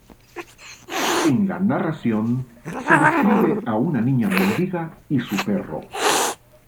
En la narración, se describe a una niña mendiga y su perro.